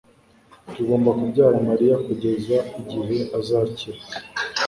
Tugomba kubyara Mariya kugeza igihe azakira.